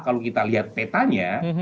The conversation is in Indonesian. kalau kita lihat petanya